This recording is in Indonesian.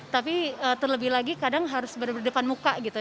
tapi terlebih lagi kadang harus berdepan muka gitu